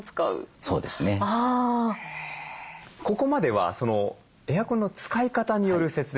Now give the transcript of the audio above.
ここまではエアコンの使い方による説明ですよね。